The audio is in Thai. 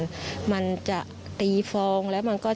อยู่ดีมาตายแบบเปลือยคาห้องน้ำได้ยังไง